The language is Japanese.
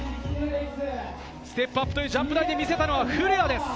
ステップアップというジャンプ台で見せたのはフレアです。